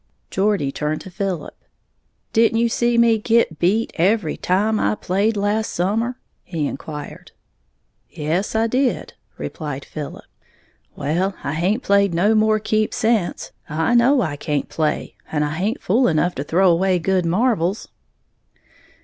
Geordie turned to Philip: "Didn't you see me git beat every time I played last summer?" he inquired. "Yes, I did," replied Philip. "Well, I haint played no more keeps sence. I know I can't play, and I haint fool enough to throw away good marvles."